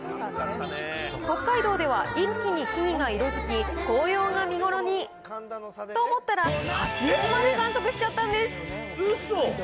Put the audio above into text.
北海道では一気に木々が色づき、紅葉が見頃に。と思ったら、初雪まで観測しちゃったんです。